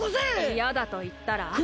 いやだといったら？